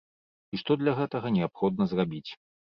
І што для гэтага неабходна зрабіць.